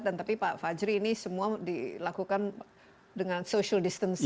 dan tapi pak fajri ini semua dilakukan dengan social distancing